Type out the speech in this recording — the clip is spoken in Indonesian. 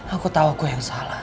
aku tahu aku yang salah